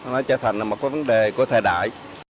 nó trở thành một vấn đề của thời đại